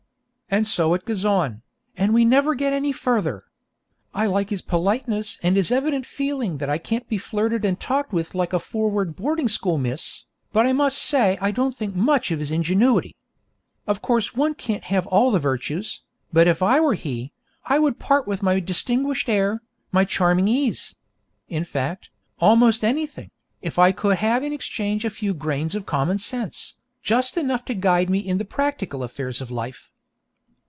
And so it goes on, and we never get any further. I like his politeness and his evident feeling that I can't be flirted and talked with like a forward boarding school miss; but I must say I don't think much of his ingenuity. Of course one can't have all the virtues, but if I were he, I would part with my distinguished air, my charming ease in fact, almost anything, if I could have in exchange a few grains of common sense, just enough to guide me in the practical affairs of life. [Illustration: "I was disconcerted at being found in a dramshop alone."